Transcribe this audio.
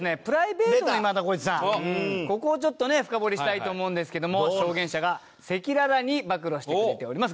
ここをちょっとね深掘りしたいと思うんですけども証言者が赤裸々に曝露してくれております。